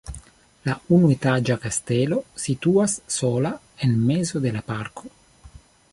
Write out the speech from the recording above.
La unuetaĝa kastelo situas sola en mezo de parko.